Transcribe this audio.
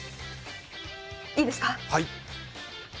いいですか？